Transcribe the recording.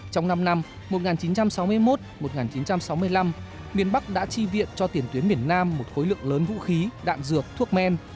trong năm năm một nghìn chín trăm sáu mươi một một nghìn chín trăm sáu mươi năm miền bắc đã chi viện cho tiền tuyến miền nam một khối lượng lớn vũ khí đạn dược thuốc men